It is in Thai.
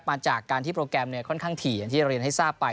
มาจากการที่โปรแกรมค่อนข้างถี่อย่างที่เรียนให้ทราบไป